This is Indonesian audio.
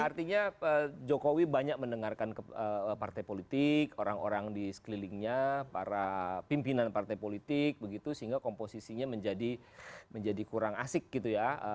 artinya jokowi banyak mendengarkan partai politik orang orang di sekelilingnya para pimpinan partai politik begitu sehingga komposisinya menjadi kurang asik gitu ya